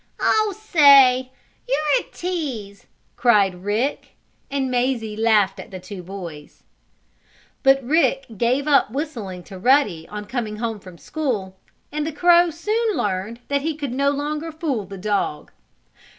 "Oh, say! You're a tease!" cried Rick, and Mazie laughed at the two boys. But Rick gave up whistling to Ruddy on coming home from school, and the crow soon learned that he could no longer fool the dog.